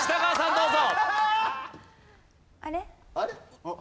どうぞ。